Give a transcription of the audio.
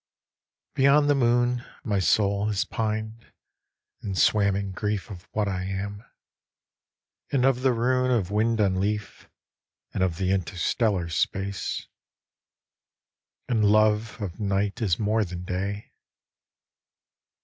Beyond the moon my soul has pined, And swam in grief of what I am, And of the rune of wind on leaf, And of the interstellar space. And love of night is more than day.